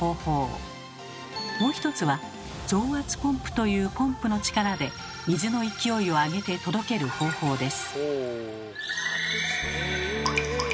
もう一つは「増圧ポンプ」というポンプの力で水の勢いを上げて届ける方法です。